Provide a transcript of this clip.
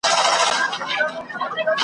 تاته به در پاته زما خیالونه زما یادونه وي .